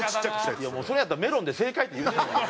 もうそれやったらメロンで正解って言う。